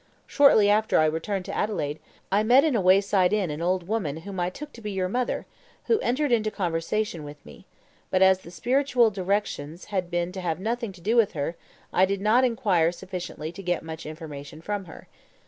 Shortly after I returned to Adelaide, I met in a wayside inn an old woman whom I took to be your mother, who entered into conversation with me; but as the spiritual directions had been to have nothing to do with her, I did not inquire sufficiently to get much information from her.